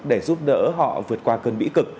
để giúp đỡ họ vượt qua cơn bỉ cực